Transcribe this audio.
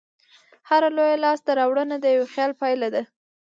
هره لویه لاستهراوړنه د یوه خیال پایله ده.